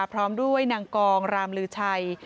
พร้อมด้วยนางกองรามลือชัย